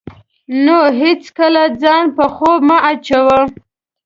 نو هېڅکله ځان په خوب مه اچوئ.